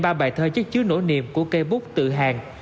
ba bài thơ chất chứa nổ niềm của cây bút tự hàng